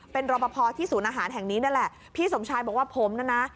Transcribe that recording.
เป็นรอปภที่ศูนย์อาหารแห่งนี้นี่แหละพี่สมชายบอกว่าผมนะนะ